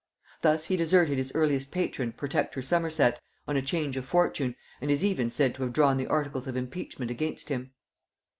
Thus he deserted his earliest patron, protector Somerset, on a change of fortune, and is even said to have drawn the articles of impeachment against him.